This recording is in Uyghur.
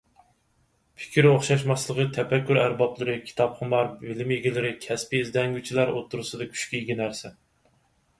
پىكىر ئوخشاشماسلىقى تەپەككۇر ئەربابلىرى، كىتاپخۇمار بىلىم ئىگىلىرى، كەسپىي ئىزدەنگۈچىلەر ئوتتۇرسىدا كۈچكە ئىگە نەرسە.